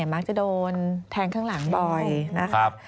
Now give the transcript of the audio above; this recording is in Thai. มักจะโดนแทงข้างหลังบ่อยนะครับ